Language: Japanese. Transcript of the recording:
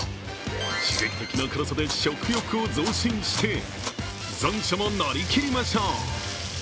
刺激的な辛さで食欲を増進して、残暑も乗り切りましょう。